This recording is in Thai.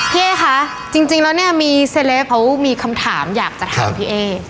เอ๊คะจริงแล้วเนี่ยมีเซเลปเขามีคำถามอยากจะถามพี่เอ๊